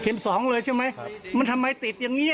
เคลมสองเลยใช่ไหมมันทำไมติดอีกอย่างเงี้ย